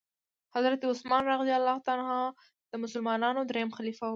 حضرت عثمان رضي الله تعالی عنه د مسلمانانو دريم خليفه وو.